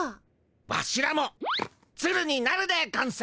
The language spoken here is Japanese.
ワシらもツルになるでゴンス。